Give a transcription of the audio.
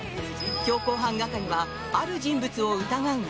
強行犯係はある人物を疑うが。